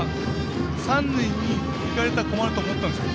三塁に行かれたら困ると思ったんですよ